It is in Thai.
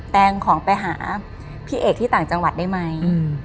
แงงของไปหาพี่เอกที่ต่างจังหวัดได้ไหม